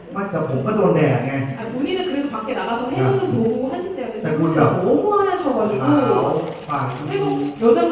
แต่คุณแบบอาวฝั่งซึมจุด